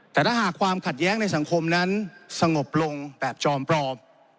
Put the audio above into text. แต่ถ้าหากความขัดแย้งในสังคมนั้นสงบลงแบบจอมปลอม